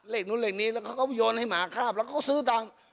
เลขนู้นเลขนี้แล้วเขาก็โยนให้หมาคาบแล้วเขาซื้อตังค์